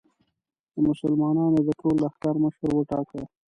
د مسلمانانو د ټول لښکر مشر وټاکه.